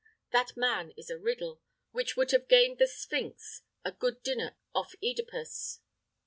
That man is a riddle, which would have gained the Sphynx a good dinner off [OE]dipus.